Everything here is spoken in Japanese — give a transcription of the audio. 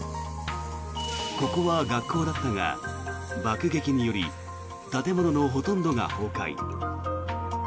ここは学校だったが、爆撃により建物のほとんどが崩壊。